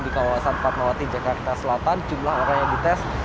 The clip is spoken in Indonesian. di kawasan fatmawati jakarta selatan jumlah orang yang dites